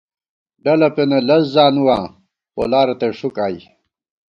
ڈلہ پېنہ لز زانُواں ، پولا رتئ ݭُک آئی